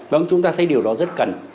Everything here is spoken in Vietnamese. vâng chúng ta thấy điều đó rất cần